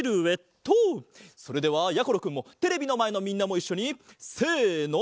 それではやころくんもテレビのまえのみんなもいっしょにせの。